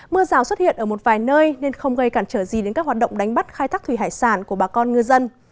mưa rào xuất hiện ở một vài nơi nên không gây cản trở gì đến các hoạt động đánh bắt khai thác thủy hải sản của bà con ngư dân